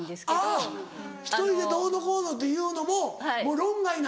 あぁ１人でどうのこうのっていうのももう論外なんだ。